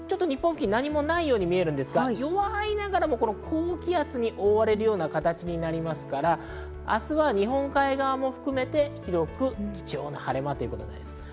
日本付近には何もないように見えるんですが、高気圧に覆われるような形になりますから、明日は日本海側も含めて広く、貴重な晴れ間ということです。